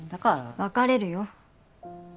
別れるよ。